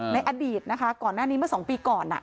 ในอดีตนะคะก่อนหน้านี้เมื่อ๒ปีก่อน